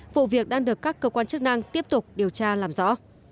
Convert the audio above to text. vụ việc đang được các cơ quan chức năng tiếp tục điều tra làm rõ